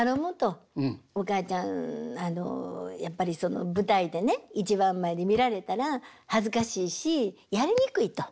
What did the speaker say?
やっぱり舞台でね一番前で見られたら恥ずかしいしやりにくい」と。